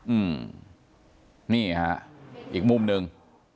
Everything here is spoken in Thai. อืมนี่ฮะอีกมุมหนึ่ง